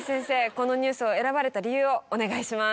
このニュースを選ばれた理由をお願いします。